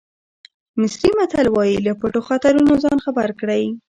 مصري متل وایي له پټو خطرونو ځان خبر کړئ.